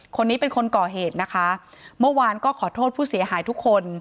คนนี้เป็นคนก่อเหตุนะคะเมื่อวานก็ขอโทษผู้เสียหายทุกคน